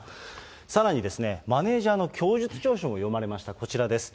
さらに、マネージャーの供述調書も読まれました、こちらです。